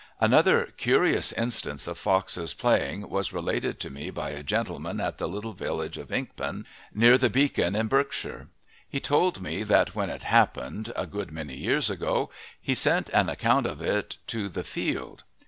Another curious instance of foxes playing was related to me by a gentleman at the little village of Inkpen, near the Beacon, in Berkshire. He told me that when it happened, a good many years ago, he sent an account of it to the "Field."